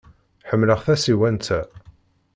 Ḥemmleɣ tasiwant-a.